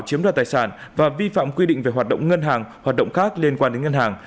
chiếm đoạt tài sản và vi phạm quy định về hoạt động ngân hàng hoạt động khác liên quan đến ngân hàng